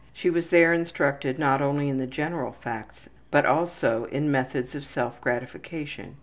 She was there instructed not only in the general facts, but also in methods of self gratification.